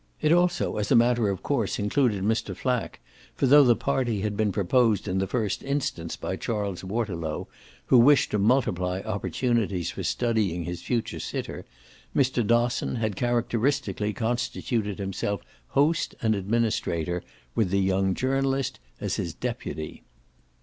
It also as a matter of course included Mr. Flack, for though the party had been proposed in the first instance by Charles Waterlow, who wished to multiply opportunities for studying his future sitter, Mr. Dosson had characteristically constituted himself host and administrator, with the young journalist as his deputy.